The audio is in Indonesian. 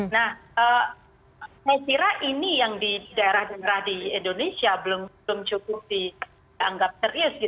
nah saya kira ini yang di daerah daerah di indonesia belum cukup dianggap serius